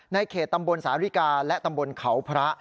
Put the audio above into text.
เขตตำบลสาริกาและตำบลเขาพระ